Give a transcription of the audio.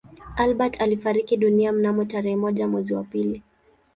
Albert alifariki dunia mnamo tarehe moja mwezi wa pili